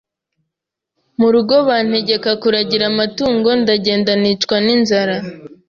mu rugo bantegeka kuragira amatungo ndagenda nicwa n’inzara